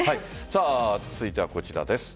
続いてはこちらです。